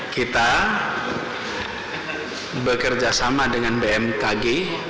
kita bekerja sama dengan bmkg